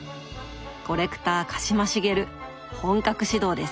コレクター鹿島茂本格始動です。